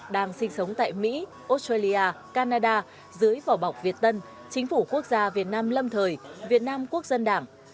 đang sinh sống tại mỹ australia canada dưới vỏ bọc việt tân chính phủ quốc gia việt nam lâm thời việt nam quốc dân đảng